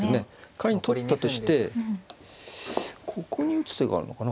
仮に取ったとしてここに打つ手があるのかな